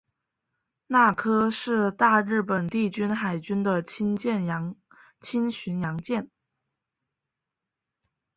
那珂是大日本帝国海军的轻巡洋舰。